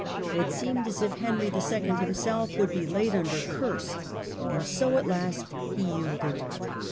It seemed as if Henry IL himself would be laid under curse. And so at last he yielded.